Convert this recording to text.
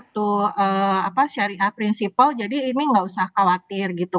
satu syariah prinsipal jadi ini nggak usah khawatir gitu